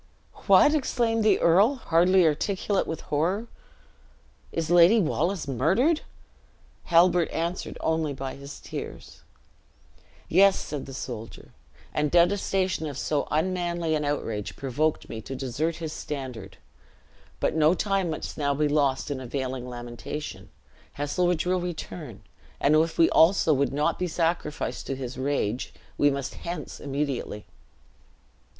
"What!" exclaimed the earl, hardly articulate with horror; "is Lady Wallace murdered?" Halbert answered only by his tears. "Yes," said the soldier; "and detestation of so unmanly an outrage provoked me to desert his standard. But no time must now be lost in unavailing lamentation. Heselrigge will return; and if we also would not be sacrificed to his rage, we must hence immediately."